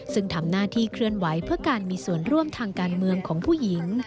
ซึ่งทำหน้าที่เคลื่อนไหวเพื่อการมีส่วนร่วมทางการเมืองของผู้หญิง